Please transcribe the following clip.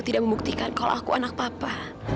tidak membuktikan kalau aku anak papa